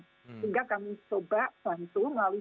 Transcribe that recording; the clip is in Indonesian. sehingga kami coba bantu melalui